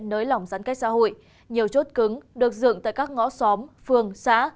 nới lỏng giãn cách xã hội nhiều chốt cứng được dựng tại các ngõ xóm phường xã